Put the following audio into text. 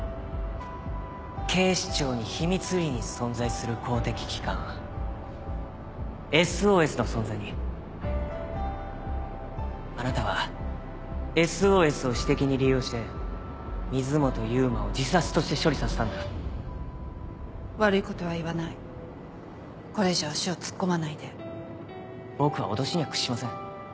警視庁に秘密裏に存在する公的機関「ＳＯＳ」の存在にあなたは「ＳＯＳ」を私的に利用して水本雄馬を自殺として処理させたんだ悪いことは言わないこれ以上足を突っ込まないで僕は脅しには屈しません